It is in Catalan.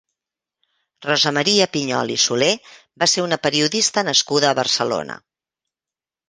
Rosa Maria Piñol i Soler va ser una periodista nascuda a Barcelona.